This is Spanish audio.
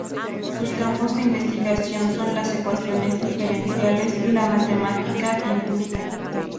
Sus campos de investigación son las ecuaciones diferenciales y la matemática difusa.